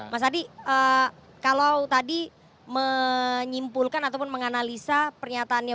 mas adi kalau tadi menyimpulkan ataupun menganalisa pernyataannya